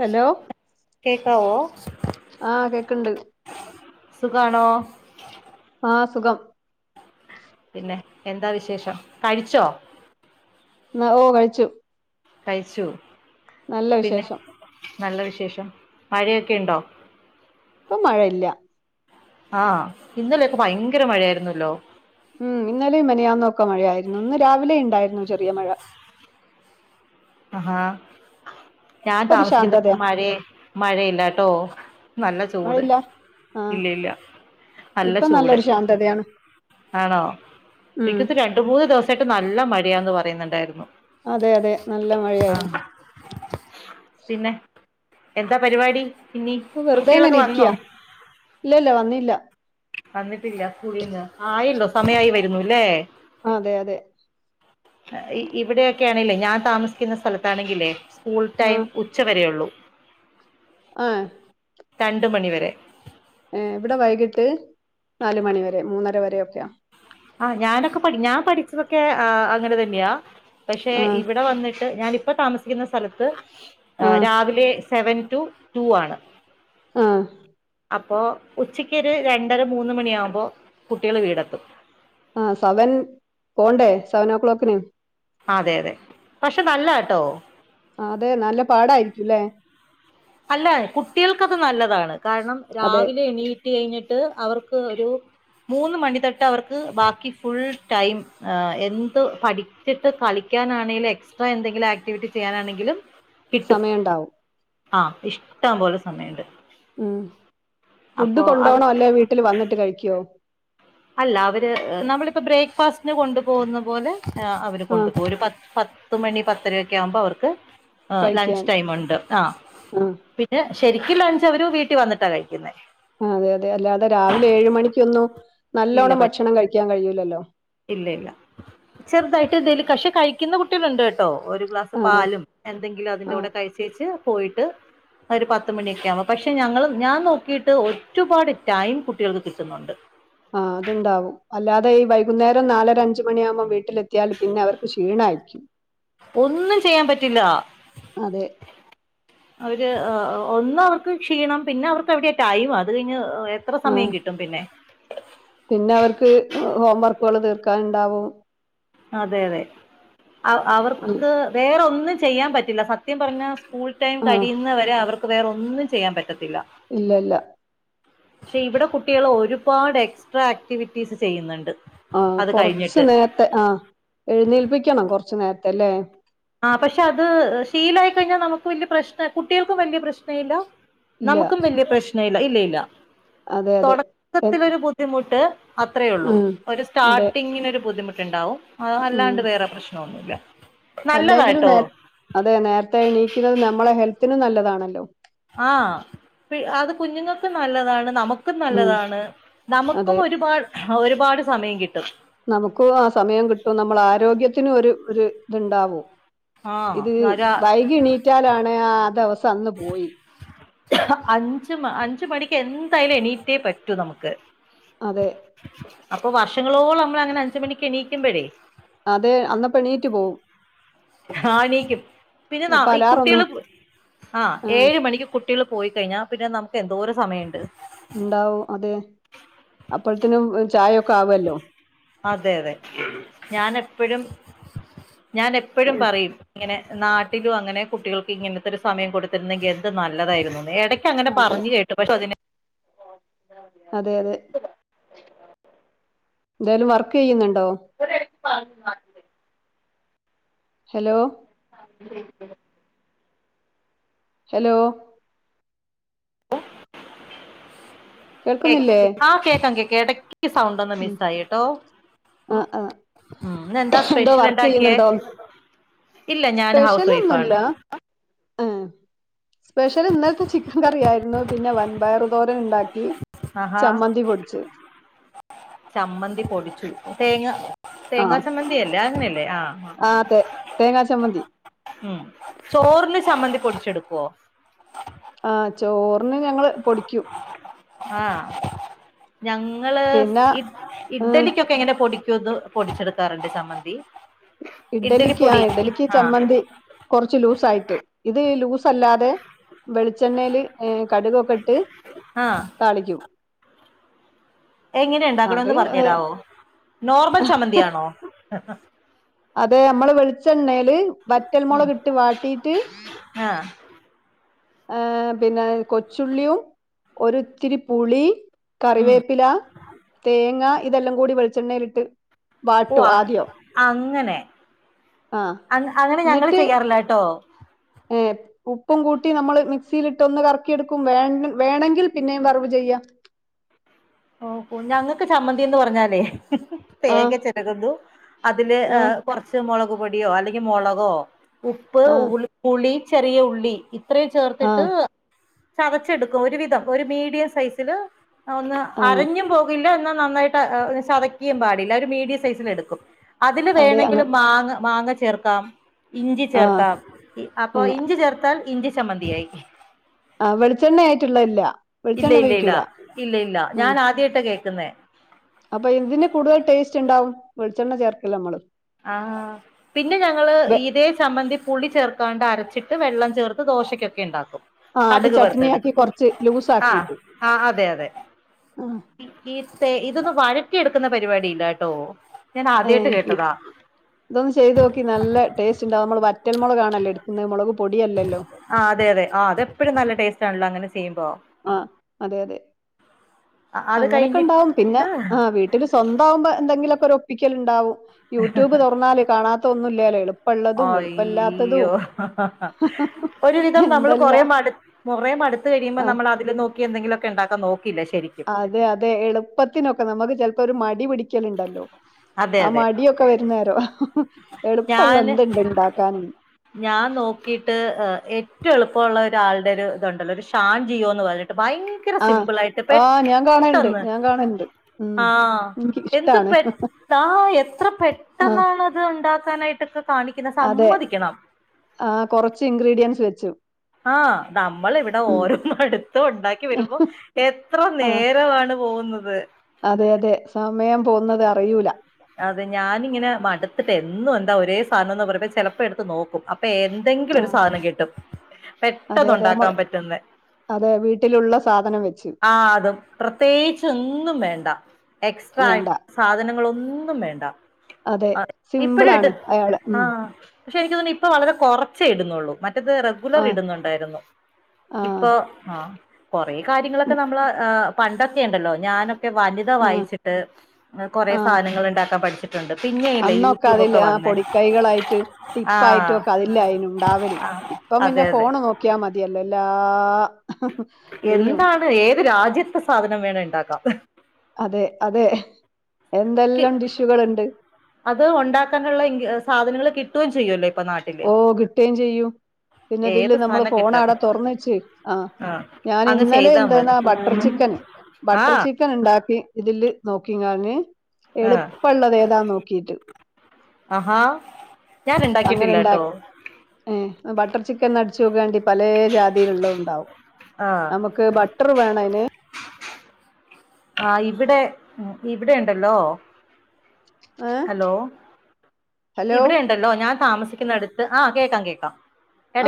Hello കേക്കാവോ ആഹ് കേക്ണ്ട് സുഖണോ ആഹ് സുഖം പിന്നെ എന്താ വിശേഷം കഴിച്ചോ ഓ കഴിച്ചു കഴിച്ചു നല്ല പിന്നെ വിശേഷം നല്ല വിശേഷം മഴയൊക്കെ ണ്ടോ ഇപ്പം മഴയില്ല ആഹ് ഇന്നലൊക്കെ ഭയങ്കര മഴയായിരുന്നല്ലോ മ്മ് ഇന്നലേം മനിയാന്നൊക്കെ മഴയായിരുന്നു ഇന്ന് രാവിലെ ണ്ടായിരുന്നു ചെറിയ മഴ അഹാ ഞാൻ ഇപ്പൊ ഒരു ശാന്തതയാ താമസിക്കുന്നട്ത്ത് മഴെ മഴയില്ലട്ടോ നല്ല ചൂട് മഴയില്ല ആഹ് ഇല്ല ഇല്ല നല്ല ഇപ്പൊ ചൂട് നല്ലൊരു ശാന്തതയാണ് ആണോ ഉം പിക്കത്ത് രണ്ട് മൂന്ന് ദിവസായിട്ട് നല്ല മഴയാന്ന് പറയുന്നുണ്ടായിരുന്നു അതെ അതെ നല്ല മഴയായിരുന്നു ആഹ് പിന്നെ എന്താ പരിപാടി ഇനിം കുട്ടികളൊക്കെ വന്നോ ഇല്ല ഇല്ല വന്നില്ല വന്നിട്ടില്ല സ്കൂളീന്ന് ആയിന്നു സമയായി വരുന്നു ല്ലേ ആ, അതെ അതെ ഇ ഇ ഇവിടെക്കൊ ണെലെ ഞാൻ താമസിക്കുന്ന സ്ഥലത്താണെങ്കിലേ സ്കൂൾ ടൈം ആഹ് ഉ ഉച്ചവരേ ഉള്ളൂ ആഹ് രണ്ട് മണിവരെ. ഏ ഇവിടെ വൈകിട്ട് നാല മണിവരെ മൂന്നര വരെക്കെയാ. ആ ഞാനൊക്കെ ഞാൻ പഠിച്ചതൊക്കെ അങ്ങനെ തന്നെയാ പക്ഷെ ആഹ് ഇവിടെ വന്നി ഷേ ഞാനിപ്പ താമസിക്കുന്ന സ്ഥലത്ത് ആഹ് രാവിലെ സെവൻ ടു ടു ആണ്. ആഹ് അപ്പോ ഉച്ചക്കരു രണ്ടര മൂന്ന് മണിയാകുമ്പോ കുട്ടിയോള് വീടെത്തും. ആ സെവൻ പോണ്ടേ സെവൻ ഓ ക്ലോക്കിന്. അതെ അതെ പക്ഷെ നല്ലയാട്ടോ. അതെ നല്ല പാടായിരിക്കുംല്ലേ? അല്ല കുട്ടികൾക്കത് നല്ലതാണ് കാരണം അതെ രാവിലെ എണീ കഴിഞ്ഞിട്ട് അവർക്ക് ഒരു മൂന്ന് മണി തട്ട് അവർക്ക് ബാക്കി ഫുൾ ടൈം എന്ത് പടി ട്ടത് കളിക്കാനാണെങ്കില എക്സ്ട്രാ എന്തെങ്കിലും ആക്ടിവിറ്റി ചെയ്യാനാണെങ്കിലും സമയണ്ടാവും. ആഹ് ഇഷ്ടം പോലെ സമയമണ്ട്. ഉം ഫുഡ് അത് കൊണ്ടണോ അല്ലെ വീട്ടിൽ വന്നിട്ട് കഴിക്കുവോ. അല്ല അവര് നമ്മളിപ്പോ ബ്രേക്ക്ഫാസ്റ്റന് കൊണ്ടു പോകുന്ന പോലെ ആ അവര് ആഹ് കൊണ്ടുപോക ഒരു പ പത്തുമണി പത്തരൊക്കെ ആവുമ്പോ അവർക്ക് ആ കഴിക്കാൻ ലഞ്ച് ടൈം ഉണ്ട് ആ ആഹ് പിന്നെ ശരിക്കും ലഞ്ച് അവര വീട്ടിൽ വന്നിട്ടാ കഴിക്കുന്നേ. അതെ അതെ അല്ലാതെ രാവിലെ ഏഴ് മണിക്കൊന്നും ഇല്ല നല്ലോണം ഭക്ഷണം കഴിക്കാൻ കഴിയൂലല്ലോ? ഇല്ല ഇല്ല ചെറുതായിട്ട് ഇ ദല് കഷെ കഴിക്കുന്ന കുട്ടികളുണ്ട് കേട്ട കേട്ടോ ഒരു ഗ്ലാസ് ആഹ് പാലും എന്തെങ്കിലും അതിന്റെ ആഹ് കൂടെ കഴിച്ചേച്ച് പോയിട്ട് ഒരു പത്ത് മണിയൊക്കെ ആവുമ്പോ പക്ഷെ ഞങ്ങൾ ഞാൻ നോക്കിയിട്ട് ഒരുപാട് ടൈം കുട്ടികൾക്ക് കിട്ടുന്നുണ്ട്. ആഹ് അതുണ്ടാവും അല്ലാതെ ഈ വൈകുന്നേരം നാലര അഞ്ച് മണിയാകുമ്പോം വീട്ട വീട്ടിലെത്തിയാൽ പിന്നെ അവർക്ക് ക്ഷീണയിരിക്കും. ഒന്നും ചെയ്യാൻ പറ്റില്ല. അതെ അവര് ഒന്ന് അവർക്ക് ക്ഷീണം പിന്നെ അവർക്ക് അവിടെ ടൈം അത് കഴിഞ്ഞ് എത്ര സമയം ആഹ് കിട്ടും പിന്നെ പിന്നെ അവർക്ക് ഹോം വർക്കുകൾ തീർക്കാനുണ്ടാവും അതെ അതെ അവ് അവ അ വേറെന്നും ചെയ്യാൻ പറ്റില്ല സത്യം പറഞ്ഞ സ്കൂൾ ടൈം ആഹ് കഴിയുന്നവരെ അവർ ക്ക്‌ വേറെ ഒന്നും ചെയ്യാൻ പറ്റത്തില്ല. ഇല്ല ല്ല പക്ഷെ ഇവിടെ കുട്ടികള് ഒരുപാട് എക്സ്ട്രാ ആക്ടിവിറ്റീസ് ചെയ്യുന്നുണ്ട്. ആഹ് അത് കൊറച്ച് കഴിഞ്ഞിട്ട് നേരത്തെ ആഹ് എഴുന്നേൽപ്പിക്കണം കൊറച്ചു നേരത്തെ അല്ലേ? ആ പക്ഷെ അത് ശീലായിക്കഴിഞ്ഞാൽ നമുക്ക് വല്യ പ്രശ്നം കുട്ടികൾക്കും വലിയ പ്രശ്ന ഇല്ല. ഇല്ല നമുക്കും വല്യ പ്രശ്നം ഇല്ല ഇല്ല ഇല്ല. അതെ അതെ എ തുടക്കത്തിലൊരു ബുദ്ധിമുട്ട് അത്രയേ ഉള്ളൂ ഒരു അതെ സ്റ്റാർട്ടിങ്ങിനൊരു ബുദ്ധിമുട്ടുണ്ടാവും. ആ ഉം അല്ലാണ്ട് വേറെ പ്രശ്നന്നുല്ല. അല്ലെങ്കിലും നേ അതെ നേരത്തെ എണീക്കുന്നത് നമ്മളെ ഹെൽത്തിനും നല്ലതാണല്ലോ? ആഹ് അത് കുഞ്ഞുങ്ങൾക്കും നല്ലതാണ് നമുക്ക് മുക്കും ഉം നല്ലതാണ് നമുക്കും അതെ ഒരുപാട് ഒരുപാട് സമയം കിട്ടും. നമുക്കും ആ സമയം കിട്ടും നമ്മളെ ആരോഗ്യത്തിനും ഒരു ഒരു ഇത്ണ്ടാവും. ഇത് ആ വൈകി എണീറ്റാലാണ് ആ ദിവസം അന്ന് പോയി. അഞ്ച് അഞ്ച് മണിക്ക് എന്തായാലും എണീറ്റേ പറ്റൂ നമുക്ക്. അതെ അപ്പൊ വർഷങ്ങളോളം നമ്മൾ അങ്ങനെ അഞ്ച് മണിക്ക് എണീക്കുമ്പഴേ അതെ അന്നപ്പം എണീറ്റ് പോവും ആഹ് എണീക്കും പിന്നെ ന അപ്പൊ ഈ കുട്ടികൾ അലാറൊന്നും ആ ഏഴ് മണിക്ക് കുട്ട കുട്ട്യാള്പോയി കഴിഞ്ഞാ പിന്നെ നമുക്ക്ന്തോര സമയണ്ട് ഉണ്ടാവും അതെ അപ്പഴത്തിനും ചായൊക്കെ ആവല്ലോ? അതെ അതെ ഞാൻ എപ്പഴും ഞൻ എപ്പഴും ഉം, പറയും. ഇങ്ങനെ നാട്ടിലും അങ്ങനെ കുട്ടികൾക്ക് ഇങ്ങനത്തെ ഒരു സമയം കൊടുത്തിരുന്നെങ്കിൽ എന്ത് നല്ലതായിരുന്നു എട ക്കങ്ങനെ അതെ പറഞ്ഞ് കേട്ടു പക്ഷെ അതിനെ അതെ അതെ എന്തായാലും വർക്ക് ചെയ്യുന്നുണ്ടോ? [unintelligible] ഹലോ ശ ശ [inaudible] ഹലോ കേ കേൾക്കുന്നില്ലേ ആ കേക്കാം കേക്ക എടക്ക് സൗണ്ട് ഒന്ന് ഉം മിസ് ആയിട്ടോ ആ ആ ഉം ഇന്നെന്താ എന്തോ സ്പെഷ്യൽ വർക്ക് ഇണ്ടാക്കിയേ? ചെയ്യുന്നുണ്ടോ ഇല്ല ഞാൻ ഹൗസ് വൈഫാണ് ഉം സ്പെഷ്യല് ഇന്നലത്തെ ചിക്കൻ കറി ആയിരുന്നു പിന്നെ വൻപയർ തോരൻണ്ടാക്കി ആഹാ ചമ്മന്തി പൊടിച്ച് ചമ്മന്തി പൊടിച്ചു തേങ്ങ തേങ്ങാ ആഹ് ചമ്മന്തി അല്ലേ അങ്ങനെയല്ലേ ആഹ് അതെ തേങ്ങാ ചമ്മന്തി ഉം ചോറിന് ചമ്മന്തി പൊടിച്ചെടുക്കോ ആഹ് ചോറിന് ഞങ്ങള് പൊടിക്കും ആഹ് ഞങ്ങള് പിന്നെ ഇഡ ഉം ഇഡ്ഡലിക്കൊക്കെ എങ്ങനെ പൊടിക്ക ക്യത് പൊടിച്ചെടുക്കാറ്ണ്ട് ചമ്മന്തി ഇഡ്ഡലി ഇഡ്ഡലിക്ക് ആ പൊടി ഇഡ്ഡലിക്ക് ആഹ് ചമ്മന്തി കുറച്ച് ലൂസായിട്ട് ഇത് ലൂസ് ല്ലാതെ വെളിച്ചണ്ണല് കടുകൊക്കെ ഇട്ട് ആഹ് താളിക്കും എങ്ങനെ അത് ഉണ്ടാക്കണന്ന് പറഞ്ഞു ഏഹ്, തരാവോ നോർമൽ ചമ്മന്തിയാണോ? അതെ നമ്മള് വെളിച്ചെണ്ണേല് ഉം വറ്റൽമുളക് ഇട്ട് വാട്ടീട്ട് ആഹ് ഏഹ് പിന്നെ കൊച്ചുള്ളിയും ഒര് ഇത്തിരി പുളി ഉം കറിവേപ്പില തേങ്ങ ഇതെല്ലാം കൂടി വെളിച്ചെണ്ണയിലിട്ട് ഓ വാട്ടും അ ആദ്യം അങ്ങനെ ആഹ് അ അങ്ങനെ ഞങ്ങ എന്നിട്ട് ചെയ്യാറില്ല കേട്ടോ ഏഹ് ഉപ്പും കൂട്ടി നമ്മള് മിക്സിയിലിട്ടൊന്ന് കറക്കിയെടുക്കും വേണമെങ്കിൽ പിന്നെയും വറവ് ചെയ്യാം. ഓ ഞങ്ങൾക്ക് ചമ്മന്തിന്ന് പറഞ്ഞാലേ ആഹ് തേങ്ങ ചെരകുന്നു അതില് ആഹ് കെറച്ച് മൊളക് പൊടിയോ അല്ലെങ്കിൽ മൊളകോ ഉപ്പ് ഉ ആഹ് ഉളി ചെറിയ ഉള്ളി ഇത്രയും ചേർത്തിട്ട് ആഹ് ചതച്ച് എടക്കും ഒരുവിതം ഒരു മീഡിയം സൈസല് ആഹ് അരഞ്ഞും പോകില്ല എന്നാൽ നന്നായിട്ട് ചതക്കിയേം പാടില്ല ഒരു മീഡിയം സൈസില് എടുക്കും. അതില് അതെ അങ്ങ വേണമെങ്കിലിൽ മാങ്ങ മാങ്ങ ചേർക്കാം. ഇഞ്ചി ആഹ് ചേർക്കാം അപ്പൊ ഏഹ് ഇഞ്ചി ചേർത്താൽ ഇഞ്ചി ചമ്മന്തി ആയി. ആഹ് വെളിച്ചെണ്ണയ ആയിട്ടുള്ളതില്ല ഇല്ല ഇല്ല ഇല്ല ഇല്ല ഇല്ല ഞാൻ ആദ്യ ആയിട്ട് കേൾക്കുന്നെ അപ്പൊ എന്തിന് കൂടുതൽ ടേസ്റ്റ് ഉണ്ടാവും വെളിച്ചെണ്ണ ചേർക്കല്ല നമ്മള് ആഹ് പിന്നെ ഞങ്ങള്ൾ ഇതേ ചമ്മന്തിപുളി ചേർക്കാണ്ട് അരച്ചിട്ട് വെള്ളം ചേർത്ത് ദോശക്കൊക്കെ ഉണ്ടാക്കും. ആഹ് അത് കടുക്ക് വറത്ത് എടുക് ചട്നിയാക്കി കൊറച്ച് ലൂസ് ആഹ് ആക്കിയിട്ട് ആഹ് അതെ അതെ ആഹ് ഇതൊന്ന് വഴറ്റി എടുക്കുന്ന പരിപാടിയില്ല കേട്ടോ ഞാൻ ആദ്യയിട്ട് ഏഹ് കേട്ടതാ ഇതൊന്ന് ചെയ്ത് നോക്കി നല്ല ടേസ്റ്റ് ഉണ്ടാവും നമ്മള് വറ്റൽ മൊളക്ണല്ലോ എടുക്കുന്നത് മൊളക് പൊടിയല്ലല്ലോ? ആഹ് അതെയതെ ആഹ് അതെപ്പോഴും നല്ല ടേസ്റ്റ ആണല്ലോ അങ്ങനെ ചെയ്യുമ്പോ? ആഹ് അതെ അതെ അത് അങ്ങനെയൊക്കെ ഉണ്ടാവും പിന്നെ കഴിഞ്ഞിട്ട് ആഹ് വീട്ടി വിട്ടിൽ സ്വന്ത അകുമ്പോ എന്തെിലൊക്കെ ഒരുഒപ്പിക്കൽ ഉണ്ടാവും യൂട്യൂബ് തുറന്നാല് കാണാത്ത ഒന്നുംല്ലല്ലോ എളുപ്പ ഉള്ളതും എളുപ്പമില്ലാത്തതും അയ്യോ എന്തല്ല കൊറെ മടുത്ത് കഴിയുമ്പോൾ ആ നമ്മള്അതിൽ നോക്കി എന്തെങ്കിലൊക്കെ ഉണ്ടാക്കാൻ നോക്കില്ല ശരിക്ക് അത് അതെ എളുപ്പത്തിനൊക്കെ നമുക്ക് ചിലപ്പോ ഒരു മടി പിടിക്കലുണ്ടല്ലോ അതെ ആഹ് അതെ മടിയൊക്കെ വരുന്നരോ എളുപ്പ ഉള്ള ഞാന് എന്തുണ്ട് ഇണ്ടാക്കാനും ഞാൻ നോക്കിട്ട് ഏറ്റവും എളുപ്പമുള്ള ഒരാളുടെ ഒരു ഇതുണ്ടല്ലോ ഒരു ഷാൻജിയോ എന്ന് പറഞ്ഞിട്ട് ഭയങ്കര ര ആ സിമ്പിൾ ആയിട്ട് ആ ഞാൻ കാണലുണ്ട് പെട്ടെന്ന് ഞാൻ കാണലുണ്ട് ഉം ആഹ എനിക്ക് എന്ത് ഇഷ്ടാണ് പെട്ട ആഹ് എത്ര ആ പെട്ടെന്നാണ് അത് ഉണ്ടാക്കാനായിട്ടൊക്കെ കാണിക്കുന്ന സമ്മതിക്കണം ആഹ് കുറച്ച് ഇൻഗ്രീഡിയൻസ് വെച്ച് ആഹ് നമ്മൾ ഇവിടെ ഓരോ എടുത്തു ഉണ്ടാക്കി വരുമ്പോ എത്ര ആ നേരമാണ് പോകുന്നത് അതെ അതെ സമയം പോകുന്നത് അറിയൂല അതെ ഞാൻ ഇങ്ങനെ മടുത്തിട്ട് എന്നും എന്താ ഒരേ സാധനംന്ന് പറിഞ്ഞ് ചിലപ്പോ എടുത്ത് നോക്കും അപ്പൊ എ എന്തെങ്കിലും ആ ഒരു സാധനം കിട്ടും അതെ പെട്ടെന്ന് അതെ നമ്മൾ ഉണ്ടാക്കാൻ പറ്റുന്ന അതെ വീട്ടിലുള്ള സാധനം വെച്ച് ആഹ് അതും പ്രത്യേകിച്ച് ഒന്നും വേണ്ട എക്സ്ട്രാ വേണ്ട സാധനങ്ങളൊന്നും വേണ്ട അതെ ആഹ് ഇപ്പഴുഇട്ട് സിമ്പിളാണ് അയാള് ഉം. ആഹ പക്ഷെ എനിക്ക് തോന്നി ഇപ്പോ വളരെ കുറച് ഇടുന്നുഉള്ളൂ മറ്റത് ആഹ് റെഗുലറിടുന്നുണ്ടായിരുന്നു ആഹ് ഇപ്പോ ആഹ് കൊറെ കാല ഉം ഇപ്പോനമ്മള് പണ്ടൊക്കെ ഇണ്ടല്ലോ ഞാനൊക്കെ വനി ഥ ആഹ് വായിച്ചിട്ട് കൊറെ ആഹ് സാധനങ്ങൾ ഉണ്ടാക്കാൻ പഠിച്ചി അന്നൊക്കെ അതില് ആഹ് പൊടിക്കൈകളായിട്ട് ആ ടിപ്പായിട്ടും ഒക്കെ അതില്ല ആയിരുന്നു ഉണ്ടാവല് ആ ഇപ്പോ പിന്നെ അതെ അതെ ഫോണ് നോക്കിയാൽ മതിയല്ലോ എല്ലാ [unintelligible] എന്താണ് ഏത് രാജ്യത്തെ സാധനം വേണ ഇണ്ടാക്കാം അതെ അതെ എന്തെല്ലാം ഡിഷുകൾ ഉണ്ട് അത് ഉണ്ടാക്കാനുള്ള ഇഗി സാധനങ്ങൾ കിട്ടുകയും ചെയ്യുമല്ലോ ഇപ്പൊ നാട്ടിൽ ഓ കിട്ടുകേയും ചെയ്യൂ പിന്നെ ഇതില് ഏത് നമ്മള് സാധന ഫോൺ ആട കിട്ടാത്ത തൊർന്നച്ച് ആഹ് ആ ഞാൻ അങ്ങ് ഇന്നലെ ചെയ്താ മതി എന്താന്നാ ബട്ടർ ചിക്കൻ ആ ബട്ടർ ചിക് ക്കൻ ഇണ്ടാക്കി ഇതില് നോക്കികാഞ്ഞ് ആ എളുപ്പള്ളത് ഏതാ നോക്കിട്ട് അഹാ അങ്ങനെ ഇണ്ടാക്കി ഏ ബട്ടർ ചിക്കൻ അടിച്ചോകാണ്ടി പലേ ജാതീല് ഉള്ളോ ഇണ്ടാവും. നമക്ക് ബട്ടർ വേണതിന് ആഹ് ഇവിടെ ഉം ഇവിടെ ഇണ്ടല്ലോ ഏഹ് ഹലോ ഹലോ ഇവിടെ ഇണ്ടല്ലോ ഞാൻ താമസിക്കുന്ന അടുത്ത് ആഹ് കേക്കാം കേക്കാം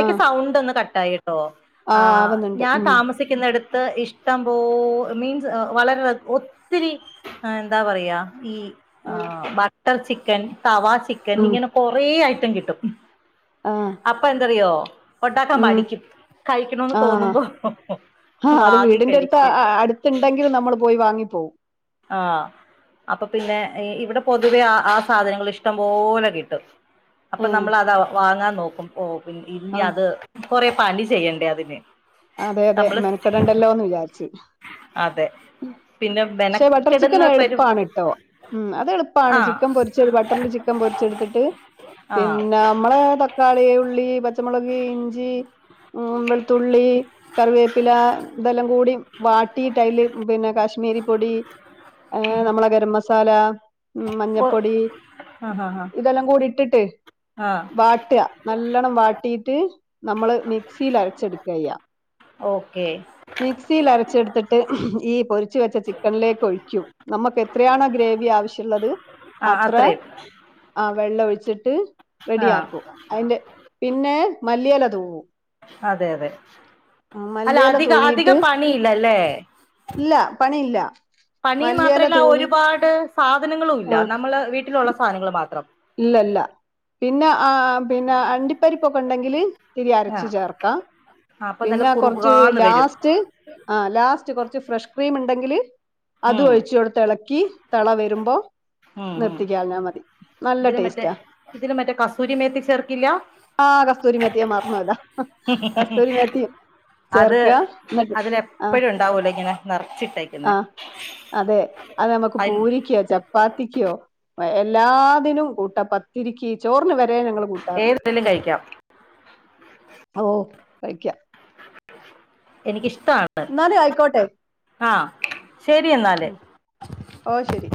ആ സൗണ്ട് ഒന്ന് കട്ടായിട്ടോ ആ ആഹ് ആവുന്നുണ്ട് ഞാൻ താമസി ഉം തമസിക്കുന്നിടത്ത് ഇഷ്ട പോ മീൻസ് വളരെ [unintelligible] ഒത്തിരി എന്താ പറയാ ഈ ആ ആഹ് ബട്ടർ ചിക്കൻ തവാ ചിക്കൻ ഉം ഇങ്ങനെ കൊറേ ഐറ്റം കിട്ടും. ആഹ് അപ്പൊ എന്താറിയോ ഉണ്ടാക്കാൻ മടിക്കും കഴിക്കണോന്ന് തോന്നുമ്പോ ആഹ് അത് വാങ്ങി വീടിന്റെ അടുത്ത് കഴിക്കും അടുത്ത് ഇണ്ടങ്കിലും നമ്മൾ പോയി വാങ്ങിപ്പോവും ആഹ് അപ്പൊ പിന്നെ ഇവിടെ പൊതുവെ ആ ആ സാധനങ്ങൾ ഇഷ്ടം പോലെ കിട്ടും അപ്പൊ ഏഹ് നമ്മൾ അത് ആ വാങ്ങാൻ നോക്കും ഓ പിന്നെ ആ ഇല്ലഅത് കൊറേ പണി ചെയ്യണ്ടേ അതിന് അതെ അതെ നമ്മള് മെനക്കെടണ്ടല്ലോന്ന് വിചാരിച്ച് അതെ പിന്നെ പക്ഷേ ബട്ടർ മെനക്കെടുന്ന ചിക്കൻ പരും എളുപ്പാണ്‌ട്ടോ ഉം അത് എളുപ്പാണ് ആഹ് ചിക്കൻ പൊരിച്ച് ബട്ടറില് ചിക്കൻ പൊരിച്ചെടുത്തിട്ട് ആഹ് നമ്മുടെ തക്കാളി ഉള്ളി പച്ചമുളക് ഇഞ്ചി ഉം വെളുത്തുള്ളി കറിവേപ്പില ഇതെല്ലാം കൂടി വാട്ടിയിട്ട് അയില് പിന്നെ കാശ്മീരി പൊടി ഏഹ് അമ്മളെ ഗർ മസാല ഉം ഓ മഞ്ഞപ്പൊടി ആഹ് ആഹ് ആഹ് ഇതെല്ലാം കൂടി ഇട്ടിട്ട് ആഹ് വാട്ട്യാ നല്ലണം വാട്ടിയിട്ട് നമ്മള് മിക്സിയിൽ അരച്ചെടുക്ക ചെയ്യ ഓക്കെ മിക്സിയിൽ അരച്ചെടുത്തിട്ട് ഈ പൊരിച്ച വെച്ച ചിക്കനിലേക്ക് ഒഴിക്കും നമുക്ക് എത്രയാണോ ഗ്രേവി ആവശ്യള്ളത് ആഹ് അത്ര അത്രയും ആ വെള്ളം ഒഴിച്ചിട്ട് ആഹ് റെഡിയാക്കും അയിന്റെ പിന്നെ മല്ലിയില തൂവും അതെ അതെ അല്ല മല്ലിയില അധിക അധിക തൂവിയിട്ട് പണിയില്ലല്ലേ ഇല്ല പണിയില്ല പണി മല്ലിയില മാത്രല്ല തൂവി ഒരുപാട് സാധനങ്ങളും ആ ഇല്ല നമ്മള് വീട്ടിലുള്ള സാധനങ്ങൾ മാത്ര ഇല്ല ഇല്ല പിന്നെ ആ പിന്നെ അണ്ടിപ്പരിപ്പൊക്കെ ഇണ്ടെങ്കില് ഇത്തിരി അരച്ച് ആഹ് ചേർക്കാം അപ്പൊ നല്ല പിന്നെ കൊറച്ച് കുറുകുറാന്ന് വരും ലാസ്റ്റ് ആഹ് ലാസ്റ്റ് കുറച്ച് ഫ്രഷ് ക്രീം ഇണ്ടെങ്കില് അതു ഉം ഒഴിച്ച്കൊടുത്ത് ഇളക്കി തെളവരുമ്പോ നിർത്തിക്കാൾഞ്ഞാ മതി നല്ല ഇതിന് മറ്റേ ടേസ്റ്റാ ഇതിന് മറ്റേ കസൂരി മേത്തി ചേർക്കില്ല ആഹ് കസ്തൂരിമേത്തി മറന്ന്പോയതാ കസ്തൂരി മേത്തിം അത് ആ അതിലെപ്പോഴും ഇണ്ടാവല്ലോ ഇങ്ങനെ നർച്ചിട്ടേക്കുന്നെ ആ അതെ അത് നമുക്ക് പൂരിക്കോ ചപ്പാത്തിക്കോ എല്ലാ ത്തിനും കൂട്ട പത്തിരിക്ക് ചോറിന് വരെ ഞങ്ങള് കൂട്ടാറുണ്ട് ഏതിലും കഴിക്കാം അള്ളോഹ് കഴിക്ക എനിക്ക് ഇഷ്ടാണ് ഇന്നാല് ആയിക്കോട്ടെ ആഹ് ശരി എന്നാല് ഉം. ഓ ശെരി